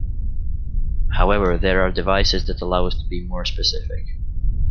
However, there are devices that allow us to be more specific.